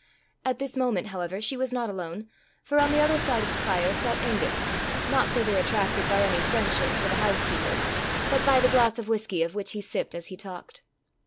At this moment, however, she was not alone, for on the other side of the fire sat Angus, not thither attracted by any friendship for the housekeeper, but by the glass of whisky of which he sipped as he talked.